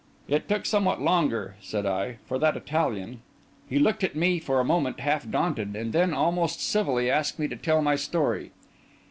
"It took somewhat longer," said I, "for that Italian." He looked at me for a moment half daunted, and then, almost civilly, asked me to tell my story.